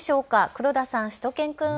黒田さん、しゅと犬くん。